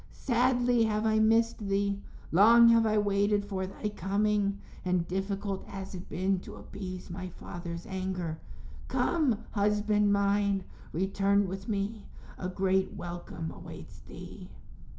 Sadly have I missed thee; long have I waited for thy coming, and difficult has it been to appease my father's anger. Come, husband mine, return with me; a great welcome awaits thee."